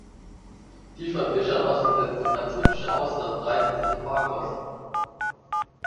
Die von Fischern ausgesetzte Pazifische Auster breitet sich im Park aus.